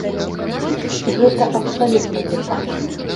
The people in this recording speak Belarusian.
Гэта абсалютна не так.